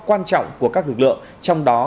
quan trọng của các lực lượng trong đó